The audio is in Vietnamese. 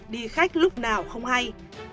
đi khách lúc nào không hay